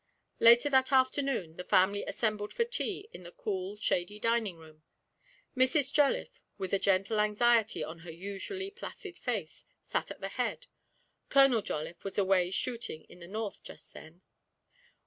Later that afternoon the family assembled for tea in the cool, shady dining room; Mrs. Jolliffe, with a gentle anxiety on her usually placid face, sat at the head (Colonel Jolliffe was away shooting in the North just then).